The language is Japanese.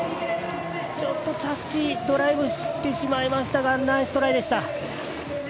ちょっと、着地ドライブしてしまいましたがナイストライでした。